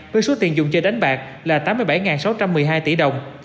với số tiền dùng chơi đánh bạc là tám mươi bảy sáu trăm một mươi hai tỷ đồng